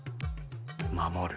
守る。